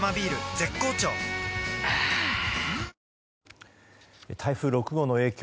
絶好調あぁ台風６号の影響